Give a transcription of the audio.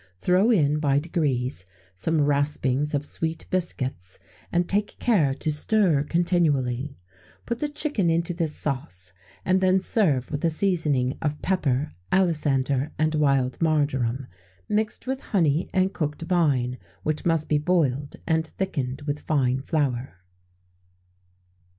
Throw in by degrees some raspings of sweet biscuits, and take care to stir continually. Put the chicken into this sauce, and then serve with a seasoning of pepper, alisander, and wild marjoram, mixed with honey and cooked vine, which must be boiled and thickened with fine flour.